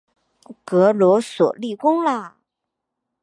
格罗索立功啦！